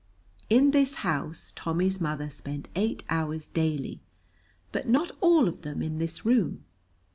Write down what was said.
In this house Tommy's mother spent eight hours daily, but not all of them in this room.